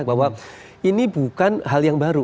bahwa ini bukan hal yang baru